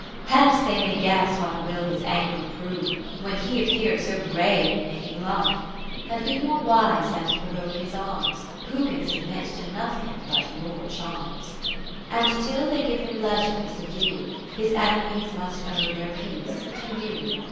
Hence they may guess what will his anger prove, When heappear'dso brave in making love ; 40 And be more wise than to provoke his arms. Who can submit to nothing but your charms. And till they give him leisure to subdue. His enemies must owe their peace to you.